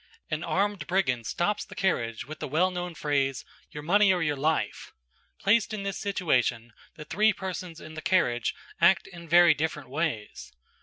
An armed brigand stops the carriage with the well known phrase, "Your money or your life." Placed in this situation, the three persons in the carriage act in very different ways.